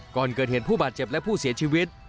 ก่อนเกิดเหตุผู้บาดเจ็บและผู้เสียชีวิต